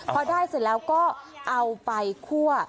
พอได้เสร็จแล้วก็เอาไปคั่ว